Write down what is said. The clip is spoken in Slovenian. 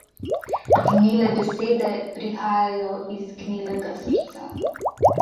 Gnile besede prihajajo iz gnilega srca.